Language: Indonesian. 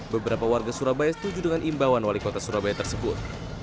beberapa warga surabaya setuju dengan imbauan wali kota surabaya tersebut